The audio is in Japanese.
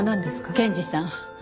検事さん。